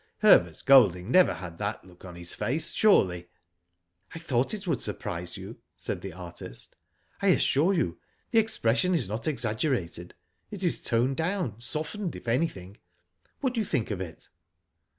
Herbert Golding never had that look on his face, surely." " I thought it would surprise you," said the artist. " I assure you, the expression is not ex aggerated; it is toned down, softened, if anything. What do you think of it?"